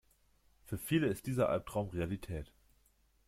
Für viele ist dieser Albtraum Realität.